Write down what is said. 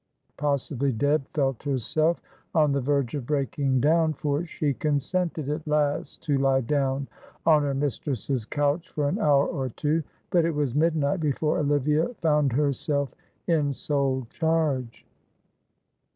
Possibly Deb felt herself on the verge of breaking down, for she consented at last to lie down on her mistress's couch for an hour or two, but it was midnight before Olivia found herself in sole charge.